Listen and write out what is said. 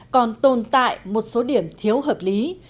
còn tồn tại một số điểm thiếu hợp lý